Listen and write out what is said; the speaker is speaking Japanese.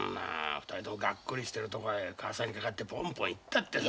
２人ともガックリしてるとこへカサにかかってボンボン言ったってさ。